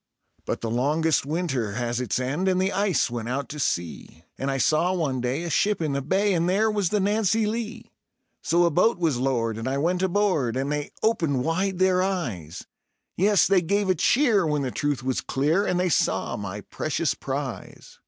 But the longest winter has its end, and the ice went out to sea, And I saw one day a ship in the bay, and there was the Nancy Lee. So a boat was lowered and I went aboard, and they opened wide their eyes Yes, they gave a cheer when the truth was clear, and they saw my precious prize.